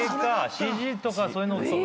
ＣＧとかそういうの。